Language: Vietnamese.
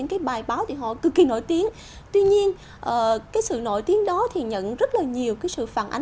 không cần thiết